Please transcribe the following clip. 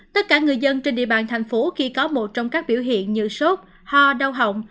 tất cả người dân trên địa bàn thành phố khi có một trong các biểu hiện như sốt ho đau hỏng